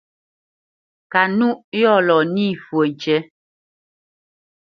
Kanúʼ yɔ̂ lɔ nî fwo ŋkǐ.